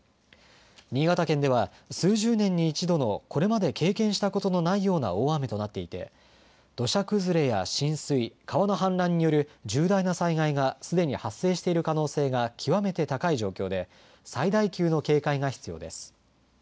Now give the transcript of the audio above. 新潟県では数十年に一度のこれまで経験したことのないような大雨となっていて土砂崩れや浸水、川の氾濫による重大な災害がすでに発生している可能性が極めて高い状況で最大級の警戒が必要です。